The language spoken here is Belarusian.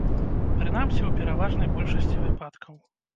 Прынамсі, у пераважнай большасці выпадкаў.